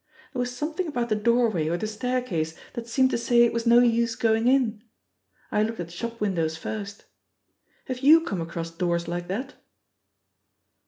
There was something about the doorway or the stair case that seemed to say it was no use going in. I looked at shop windows first. Have yow come across doors like that?'